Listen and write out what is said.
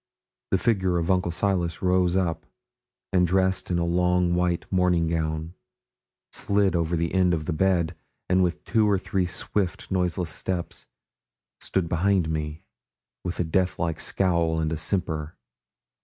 The figure of Uncle Silas rose up, and dressed in a long white morning gown, slid over the end of the bed, and with two or three swift noiseless steps, stood behind me, with a death like scowl and a simper.